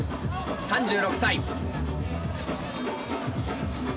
３６歳。